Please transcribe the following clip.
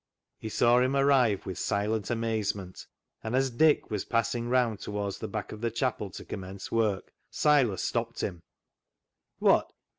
He saw him arrive with silent amazement, and as Dick was passing round towards the back of the chapel to commence work, Silas stopped him —" Wot